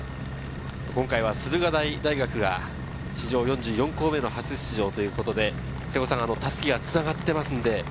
今回は駿河台大学が史上４４校目の初出場ということで襷が繋がっていますので。